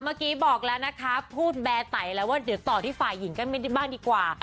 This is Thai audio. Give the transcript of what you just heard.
เมื่อกี้บอกแล้วนะคะพูดแบร์ไต่แล้วว่าเดี๋ยวต่อที่ฝ่ายหญิงกันไม่ได้บ้างดีกว่า